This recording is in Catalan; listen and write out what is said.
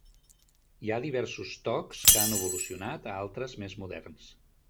Hi ha diversos tocs que han evolucionat a altres més moderns.